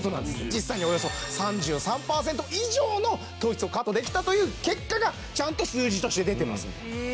実際におよそ３３パーセント以上の糖質をカットできたという結果がちゃんと数字として出ています。